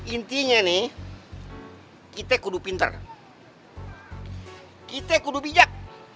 intinya nih kita kudu pintar kita kudu bijak